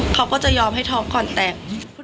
เขาก็จะยอมให้ท้องก่อนแต่ง